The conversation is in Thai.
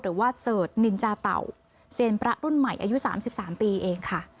หรือว่าเสิร์ชนินจาเต่าเซียนพระรุ่นใหม่อายุ๓๓ปีเองค่ะ